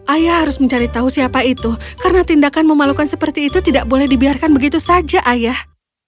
ayah harus mencari tahu siapa itu karena tindakan memalukan seperti itu tidak boleh dibiarkan begitu saja ayah